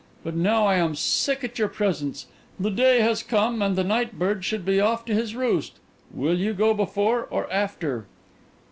But now I am sick at your presence; the day has come, and the night bird should be off to his roost. Will you go before, or after?"